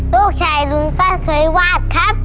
ลูกชายลุงก็เคยวาดครับ